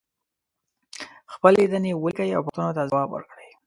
خپلې لیدنې ولیکئ او پوښتنو ته ځواب ورکړئ.